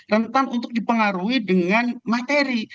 rentan untuk dipengaruhi dengan materi